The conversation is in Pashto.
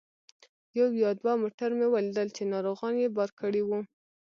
یو یا دوه موټر مې ولیدل چې ناروغان یې بار کړي وو.